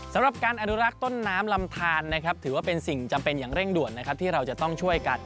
สำหรับการอนุรักษ์ต้นน้ำลำทานนะครับถือว่าเป็นสิ่งจำเป็นอย่างเร่งด่วนนะครับที่เราจะต้องช่วยกัน